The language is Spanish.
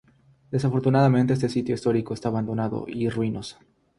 Desafortunadamente este sitio histórico está abandonado y ruinoso.